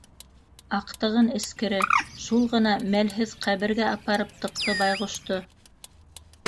Аҡтығын эскере, шул ғына мәлһеҙ ҡәбергә апарып тыҡты байғошто.